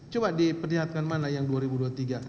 coba diperlihatkan mana yang dua ribu dua puluh tiga